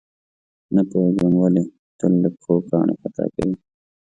نه پوهېږم ولې تل له پښو کاڼي خطا کوي.